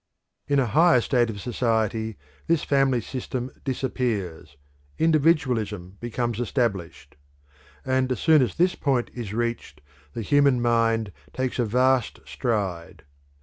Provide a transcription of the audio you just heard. In a higher state of society this family system disappears; individualism becomes established. And as soon as this point is reached the human mind takes a vast stride.